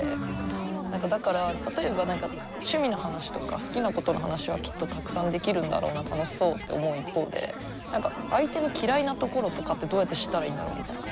だから例えば何か趣味の話とか好きなことの話はきっとたくさんできるんだろうな楽しそうって思う一方で相手の嫌いなところとかってどうやって知ったらいいんだろうみたいな。